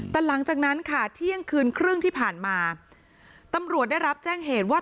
แต่หลังจากนั้นค่ะเที่ยงคืนครึ่งที่ผ่านมาตำรวจได้รับแจ้งเหตุว่า